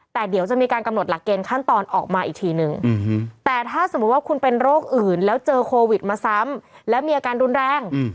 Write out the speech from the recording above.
แต่เดี๋ยวจะมีการกำหนดหลักเกณฑ์ขั้นตอนออกมาอีกทีนึงแต่ถ้าสมมุติว่าคุณเป็นโรคอื่นแล้วเจอโควิดมาซ้ำแล้วมีอาการรุนแรง